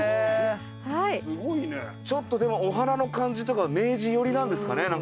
ちょっとでもお花の感じとか明治寄りなんですかね？